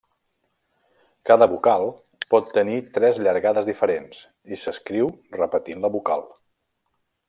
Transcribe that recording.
Cada vocal pot tenir tres llargades diferents i s'escriu repetint la vocal.